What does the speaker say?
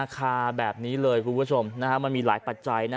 ค่าแบบนี้เลยมันมีหลายปัจจัย